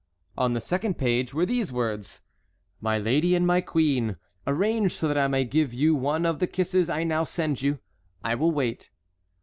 On the second page were these words: "My lady and my queen, arrange so that I may give you one of the kisses I now send you. I will wait."